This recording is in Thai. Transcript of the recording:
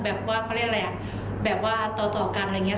ว่าเขาเรียกอะไรอ่ะแบบว่าต่อกันอะไรอย่างนี้